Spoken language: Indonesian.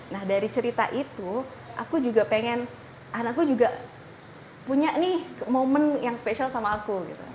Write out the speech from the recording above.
nah dari cerita itu aku juga pengen anakku juga punya nih momen yang spesial sama aku gitu